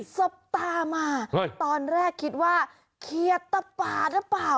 สบตามาตอนแรกคิดว่าเครียดตะปาดหรือเปล่า